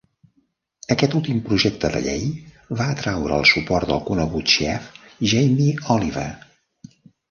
Aquest últim projecte de llei va atraure el suport del conegut xef Jamie Oliver.